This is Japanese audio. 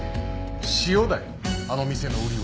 塩だよあの店の売りは。